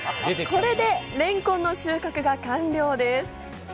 これでれんこんの収穫は完了です。